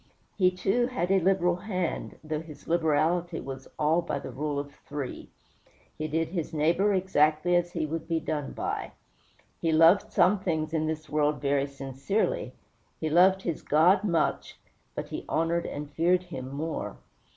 He had, too, a liberal hand, though his liberality was all by the rule of three. He did by his neighbor exactly as he would be done by. He loved some things in this world very sincerely; he loved his God much, but he honored and feared him more.